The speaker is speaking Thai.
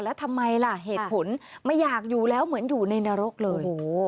แล้วทำไมล่ะเหตุผลไม่อยากอยู่แล้วเหมือนอยู่ในนรกเลย